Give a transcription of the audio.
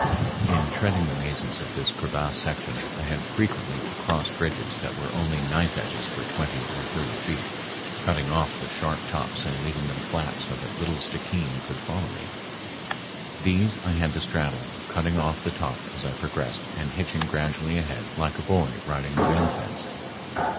In treading the mazes of this crevassed section I had frequently to cross bridges that were only knife edges for twenty or thirty feet, cutting off the sharp tops and leaving them flat so that little Stickeen could follow me. These I had to straddle, cutting off the top as I progressed and hitching gradually ahead like a boy riding a rail fence.